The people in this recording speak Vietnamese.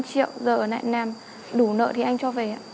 năm triệu giờ ở lại nàm đủ nợ thì anh cho về ạ